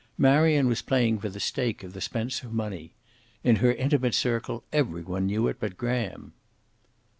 Marion was playing for the stake of the Spencer money. In her intimate circle every one knew it but Graham.